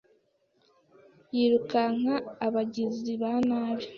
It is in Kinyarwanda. yirukankana abagizi ba nabi